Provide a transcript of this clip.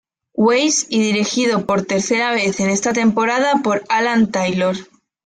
Weiss; y dirigido, por tercera vez en esta temporada, por Alan Taylor.